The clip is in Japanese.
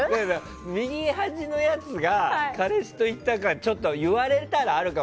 右端のやつが彼氏といったってちょっと言われたら、あるかも。